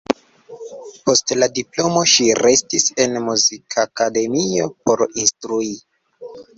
Post la diplomo ŝi restis en la Muzikakademio por instrui.